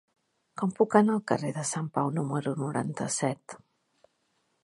Com puc anar al carrer de Sant Pau número noranta-set?